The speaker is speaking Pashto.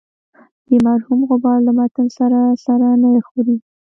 د مرحوم غبار له متن سره سر نه خوري.